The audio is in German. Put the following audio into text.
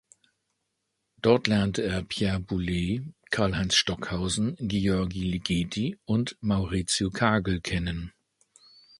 Dort lernte er Pierre Boulez, Karlheinz Stockhausen, György Ligeti und Mauricio Kagel kennen.